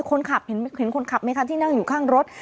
คนขับเห็นคนขับไหมคะที่นั่งอยู่ข้างรถ